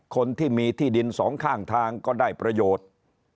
คนที่มีที่ดินสองข้างทางก็ได้ประโยชน์